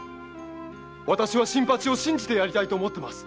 私は新八を信じてやりたいと思っています。